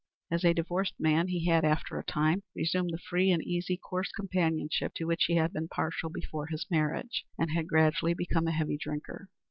As a divorced man he had, after a time, resumed the free and easy, coarse companionship to which he had been partial before his marriage, and had gradually become a heavy drinker.